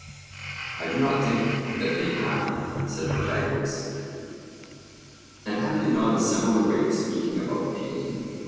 I do not think that they have, said Protagoras. 'And have you not a similar way of speaking about pain?